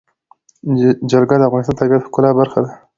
جلګه د افغانستان د طبیعت د ښکلا برخه ده.